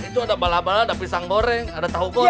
itu ada bala bala ada pisang goreng ada tahu goreng